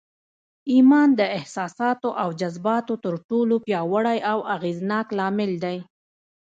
ايمان د احساساتو او جذباتو تر ټولو پياوړی او اغېزناک لامل دی.